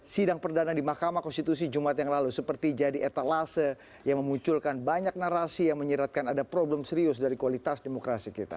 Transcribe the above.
sidang perdana di mahkamah konstitusi jumat yang lalu seperti jadi etalase yang memunculkan banyak narasi yang menyeratkan ada problem serius dari kualitas demokrasi kita